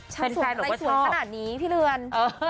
ชาวสวนอะไรสวยขนาดนี้พี่เรือน